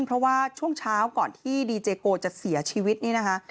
เพราะว่าช่วงเช้าก่อนที่ดีเจโกจะเสียชีวิตนี่นะคะ